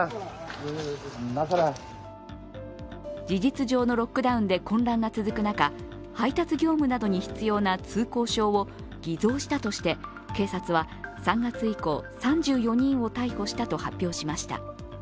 事実上のロックダウンで混乱が続く中、配達業務などに必要な通行証を偽造したとして警察は３月以降、３４人を逮捕したと発表しました。